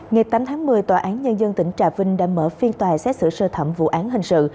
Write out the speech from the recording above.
ngày tám tháng một mươi tòa án nhân dân tỉnh trà vinh đã mở phiên tòa xét xử sơ thẩm vụ án hình sự